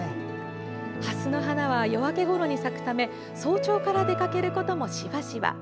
ハスの花は夜明けごろに咲くため早朝から出かけることもしばしば。